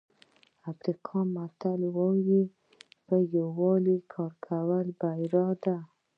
افریقایي متل وایي په یووالي کار کول بریا ده.